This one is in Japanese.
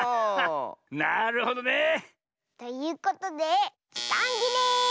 なるほどね。ということでじかんぎれ！